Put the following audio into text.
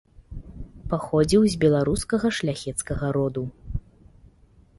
Паходзіў з беларускага шляхецкага роду.